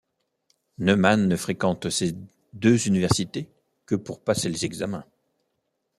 Neumann ne fréquente ces deux universités que pour passer les examens.